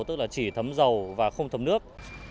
tức là chỉ thấm dầu và không thấm nước